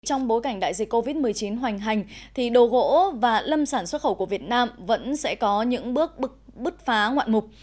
trong bối cảnh đại dịch covid một mươi chín hoành hành thì đồ gỗ và lâm sản xuất khẩu của việt nam vẫn sẽ có những bước bứt bứt phá ngoạn mục